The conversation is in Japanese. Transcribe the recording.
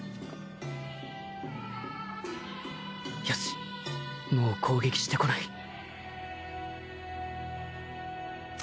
よしもう攻撃してこない